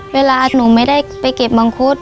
เวลาหนูไม่ได้ไปเก็บมังคุด